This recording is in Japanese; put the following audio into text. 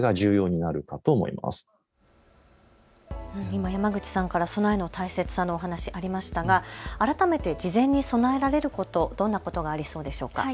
今、山口さんから備えの大切さのお話、ありましたが改めて事前に備えられること、どんなことがありそうでしょうか。